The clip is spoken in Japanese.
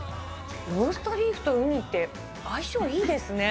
ローストビーフとウニって相性いいですね。